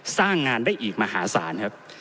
สร้างงานได้อีกมหาศาลครับ